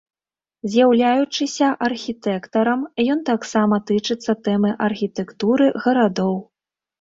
З'яўляючыся архітэктарам, ён таксама тычыцца тэмы архітэктуры гарадоў.